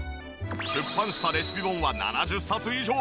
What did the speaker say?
出版したレシピ本は７０冊以上。